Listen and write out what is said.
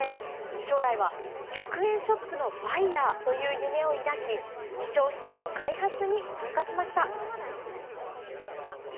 将来は、１００円ショップのバイヤーという夢を抱き、商品の開発に参加しました。